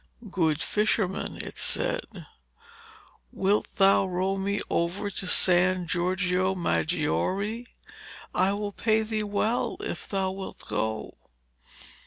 'Good fisherman,' it said, 'wilt thou row me over to San Giorgio Maggiore? I will pay thee well if thou wilt go.'